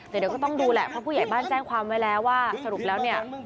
แต่เดี๋ยวก็ต้องดูแหละเพราะผู้ใหญ่บ้านแจ้งความไว้แล้วว่าสรุปแล้วเนี่ย